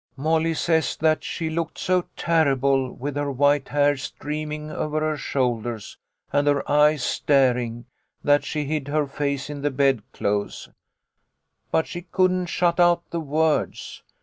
"Molly says that she looked so terrible, with her white hair streaming over her shoulders, and her eyes staring, that she hid her face in the bed clothes. But she couldn't shut out the words.